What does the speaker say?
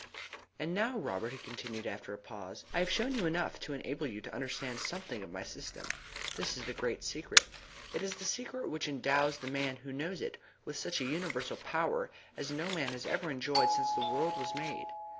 "And now, Robert," he continued, after a pause, "I have shown you enough to enable you to understand something of my system. This is the great secret. It is the secret which endows the man who knows it with such a universal power as no man has ever enjoyed since the world was made.